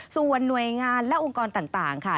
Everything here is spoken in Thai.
ส่วนหน่วยงานและองค์กรต่างค่ะ